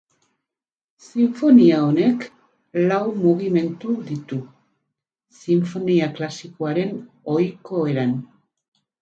Sinfonia honek lau mugimendu ditu, sinfonia klasikoaren ohiko eran.